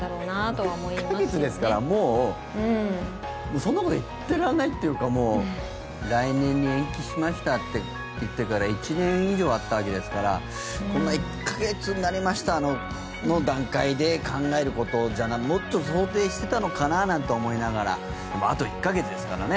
そんなこと言ってられないっていうか来年に延期しましたって言ってから１年以上あったわけですからこの１か月になりましたの段階で考えることじゃないもっと想定していたのかななんて思いながらでも、あと１か月ですからね。